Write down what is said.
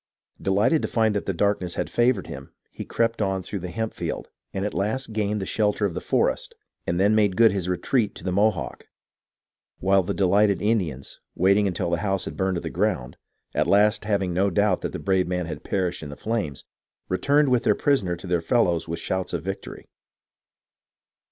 Delighted to find that the darkness had favoured him, he crept on through the hemp field, at last gained the shelter of the forest, and then made good his retreat to the Mohawk ; while the delighted Indians, waiting until the house had burned to the ground, at last having no doubt that the brave man had perished in the flames, returned with their prisoner to their fellows with shouts of victory.